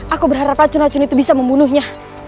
aku berharap racun racun itu bisa membunuhnya